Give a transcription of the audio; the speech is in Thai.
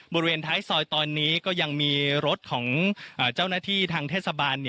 บริเวณท้ายซอยตอนนี้ก็ยังมีรถของเจ้าหน้าที่ทางเทศบาล